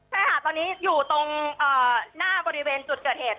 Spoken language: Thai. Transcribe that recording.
ใช่ค่ะตอนนี้อยู่ตรงหน้าบริเวณจุดเกิดเหตุ